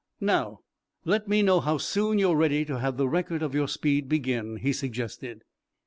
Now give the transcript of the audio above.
"Now, let me know how soon you are ready to have the record of your speed begin," he suggested.